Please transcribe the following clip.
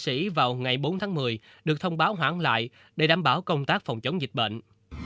sĩ vào ngày bốn tháng một mươi được thông báo hoãn lại để đảm bảo công tác phòng chống dịch bệnh